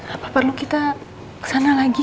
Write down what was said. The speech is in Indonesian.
apa perlu kita ke sana lagi